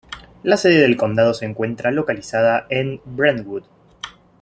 La sede del condado se encuentra localizada en Brentwood.